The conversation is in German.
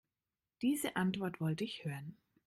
Diese Antwort wollte ich hören.